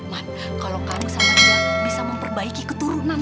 man kalau kamu sama dia bisa memperbaiki keturunan man